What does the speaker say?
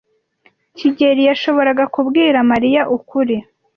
kigeli yashoboraga kubwira Mariya ukuri,